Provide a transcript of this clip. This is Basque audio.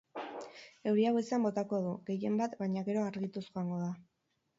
Euria goizean botako du, gehien bat, baina gero argituz joango da.